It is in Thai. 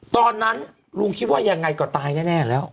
ตอนนั้นลุงคิดว่ายังไงก็ตายแน่แล้ว